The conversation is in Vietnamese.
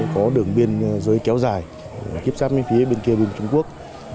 có đường biên dưới kéo dài kiếp sát bên phía bên kia bên trung quốc